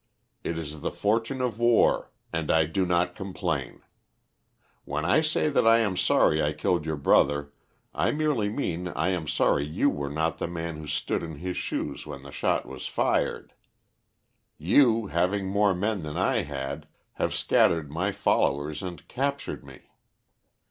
It is the fortune of war, and I do not complain. When I say that I am sorry I killed your brother, I merely mean I am sorry you were not the man who stood in his shoes when the shot was fired. You, having more men than I had, have scattered my followers and captured me.